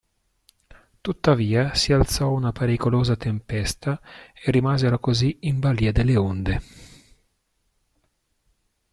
Tuttavia si alzò una pericolosa tempesta e rimasero così in balia delle onde.